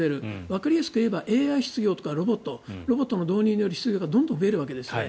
わかりやすくいえばＡＩ失業とかロボットロボットの導入による失業がどんどん増えるわけですね。